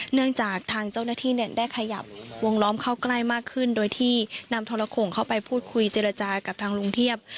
เนื่องจากทางเจ้าหน้าที่เนี่ยได้ขยับวงล้อมเข้าใกล้มากขึ้นโดยที่นำทรโขงเข้าไปพูดคุยเจรจากับทางลุงเทียบ